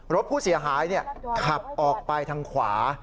รถผู้เสียหายขับออกไปทางขวา